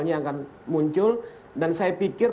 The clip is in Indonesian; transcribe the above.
yang akan muncul dan saya pikir